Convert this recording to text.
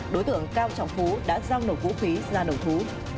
đối tượng cao trọng phú đã giao nổ vũ khí ra đầu thú